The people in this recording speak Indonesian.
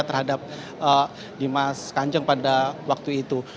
terhadap dimas kanjeng pada waktu itu